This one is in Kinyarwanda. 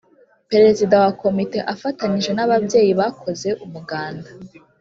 Perezida wa komite afatanyije n’ababyeyi bakoze umuganda